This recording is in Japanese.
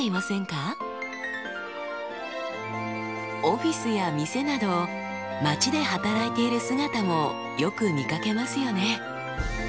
オフィスや店など街で働いている姿もよく見かけますよね。